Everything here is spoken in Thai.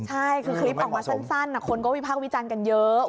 ใช่คือคลิปออกมาสั้นคนก็วิพากษ์วิจารณ์กันเยอะ